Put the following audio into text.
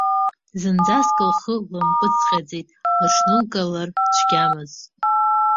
Зынӡаск лхы лымпыҵҟьаӡеит, лыҽнылкылар цәгьамызт.